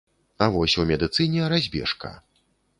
А вось у медыцыне разбежка.